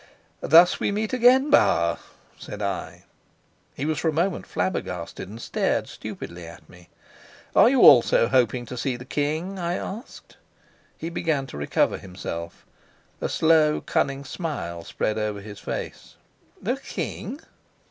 "Thus we meet again, Bauer," said I. He was for a moment flabbergasted, and stared stupidly at me. "Are you also hoping to see the king?" I asked. He began to recover himself. A slow, cunning smile spread over his face. "The king?"